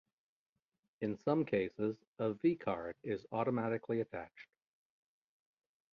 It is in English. In some cases a vCard is automatically attached.